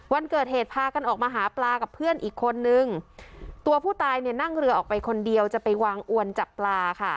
วันเกิดเหตุพากันออกมาหาปลากับเพื่อนอีกคนนึงตัวผู้ตายเนี่ยนั่งเรือออกไปคนเดียวจะไปวางอวนจับปลาค่ะ